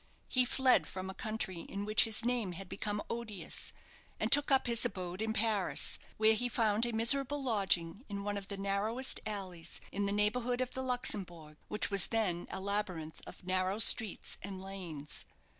He fled from a country in which his name had become odious, and took up his abode in Paris, where he found a miserable lodging in one of the narrowest alleys in the neighbourhood of the Luxembourg, which was then a labyrinth of narrow streets and lanes.